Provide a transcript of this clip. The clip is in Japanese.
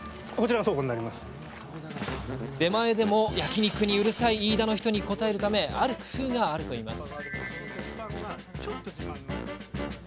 出前でも、焼肉にうるさい飯田の人に応えるためある工夫があるといいます。